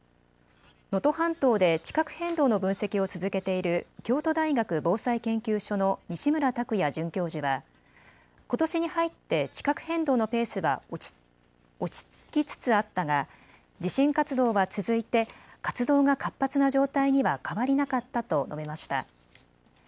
能登半島で地殻変動の分析を続けている京都大学防災研究所の西村卓也准教授はことしに入って地殻変動のペースは落ち着きつつあったが地震活動は続いて活動が活発な状態には変わりなかったと述べました。